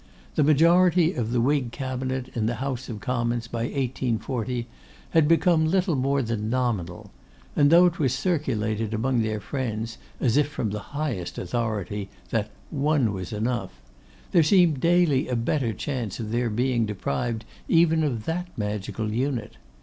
The majority of the Whig Cabinet in the House of Commons by 1840 had become little more than nominal; and though it was circulated among their friends, as if from the highest authority, that 'one was enough,' there seemed daily a better chance of their being deprived even of that magical unit.